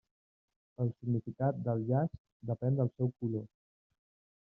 El significat del llaç depèn del seu color.